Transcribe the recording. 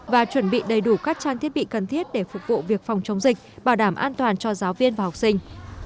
và chuẩn bị đầy đủ các trang thiết bị cần thiết để phục vụ việc phòng chống dịch bảo đảm an toàn cho giáo viên và học sinh